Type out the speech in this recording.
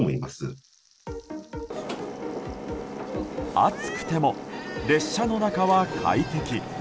暑くても列車の中は快適。